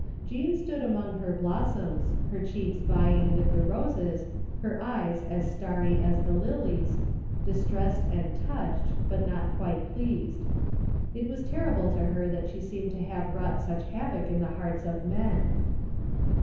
Jean stood among her blossoms, her cheeks vying with the roses, her eyes as starry as the lilies, distressed and touched, but not quite pleased. It was terrible to her that she seemed to have wrought such havoc in the hearts of men.